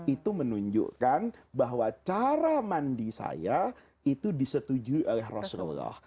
itu menunjukkan bahwa cara mandi saya itu disetujui oleh rasulullah